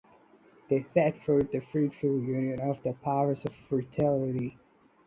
They set forth the fruitful union of the powers of fertility.